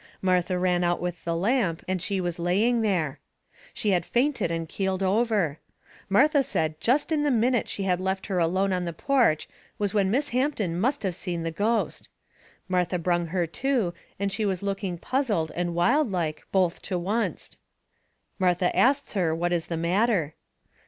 Martha ran out with the lamp, and she was laying there. She had fainted and keeled over. Martha said jest in the minute she had left her alone on the porch was when Miss Hampton must of seen the ghost. Martha brung her to, and she was looking puzzled and wild like both to oncet. Martha asts her what is the matter.